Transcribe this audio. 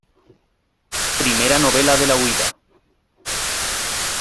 Primera novela de la huida".